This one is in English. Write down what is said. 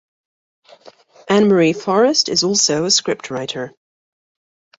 Anne Marie Forrest is also a scriptwriter.